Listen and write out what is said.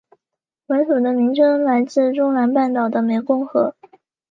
本属的名称来自中南半岛的湄公河。